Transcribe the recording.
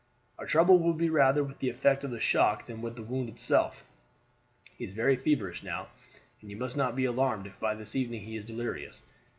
"Our trouble will be rather with the effect of the shock than with the wound itself. He is very feverish now, and you must not be alarmed if by this evening he is delirious.